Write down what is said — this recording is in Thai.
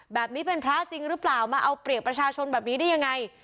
แบบนี้เป็นพระจริงหรือเปล่ามาเอาเปรียบประชาชนแบบนี้ได้ยังไง